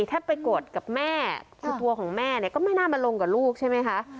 ถ้าไปโกรธกับแม่คือตัวของแม่เนี่ยก็ไม่น่ามาลงกับลูกใช่ไหมคะ